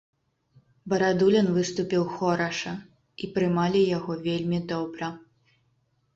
Барадулін выступіў хораша, і прымалі яго вельмі добра.